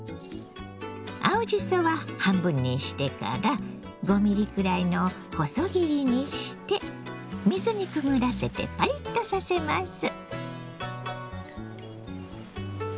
青じそは半分にしてから５ミリくらいの細切りにして水にくぐらせてパリッとさせます。